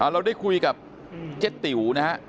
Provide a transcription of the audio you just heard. เราได้คุยกับเจ๊ติ๋วนะฮะ